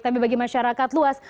tapi bagi masyarakat luas